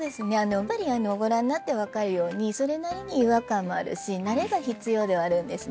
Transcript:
やっぱりご覧になって分かるようにそれなりに違和感もあるし慣れが必要ではあるんですね